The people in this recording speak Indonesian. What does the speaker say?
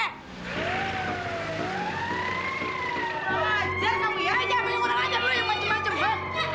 kurang ajar kamu ya